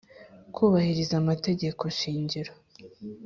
Kubahiriza amategeko shingiro,